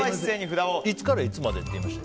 いつからいつまでって言いました？